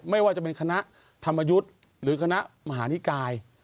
ไม่ว่าจะเป็นคณะธรรมยุทธ์หรือคณะมหานิกาย